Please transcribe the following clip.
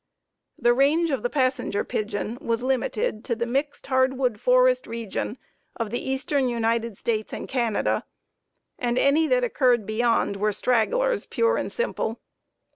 The range of the Passenger Pigeon was limited to the mixed hardwood forest region of the eastern United States and Canada, and any that occurred beyond were stragglers, pure and simple.